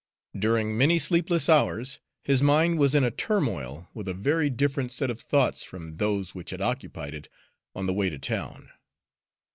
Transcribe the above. During many sleepless hours his mind was in a turmoil with a very different set of thoughts from those which had occupied it on the way to town.